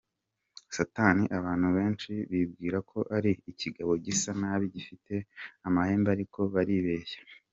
Satani abantu benshi bibwira ko ari ikigabo gisa nabi gifite amahembe ariko baribeshya.